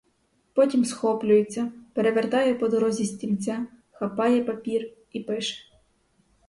Потім схоплюється, перевертає по дорозі стільця, хапає папір і пише.